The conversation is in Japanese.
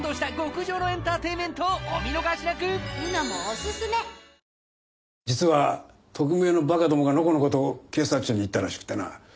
お電話で実は特命のバカどもがのこのこと警察庁に行ったらしくてな。